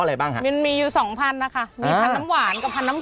และรามสกุลจะเป็นน้ำชำ